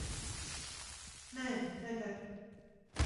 Nē, neder.